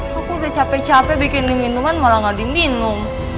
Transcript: kok udah capek capek bikin diminuman malah gak diminum